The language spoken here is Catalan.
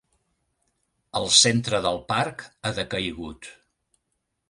El centre del parc ha decaigut.